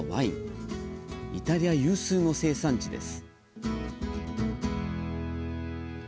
イタリア有数の生産地です。